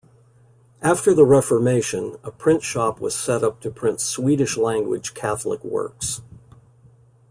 After the Reformation a printshop was set up to print Swedish-language Catholic works.